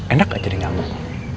enak gak jadi ngambek